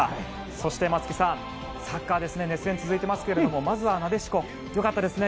そして、松木さん、サッカー熱戦が続いてますけれどもまずはなでしこ良かったですね。